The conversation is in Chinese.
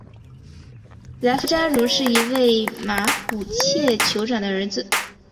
莱夫扎茹是一位马普切酋长的儿子。